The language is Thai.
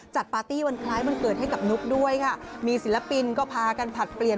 ปาร์ตี้วันคล้ายวันเกิดให้กับนุ๊กด้วยค่ะมีศิลปินก็พากันผลัดเปลี่ยน